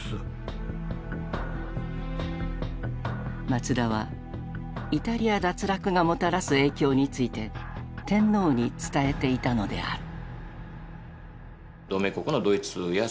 松田はイタリア脱落がもたらす影響について天皇に伝えていたのである。